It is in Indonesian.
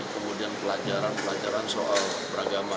kemudian pelajaran pelajaran soal beragama